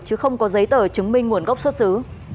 chứ không có giấy tờ chứng minh nguồn gốc xuất xứ